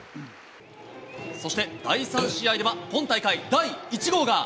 そして第３試合では、今大会第１号が！